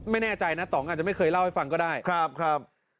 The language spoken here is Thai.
ไม่แน่ใจนะต่องอาจจะไม่เคยเล่าให้ฟังก็ได้ครับ